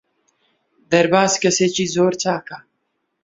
دەرباز کەسێکی زۆر چاکە.